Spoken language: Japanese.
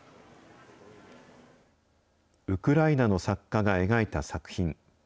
ウクライナの作家が描いた作品。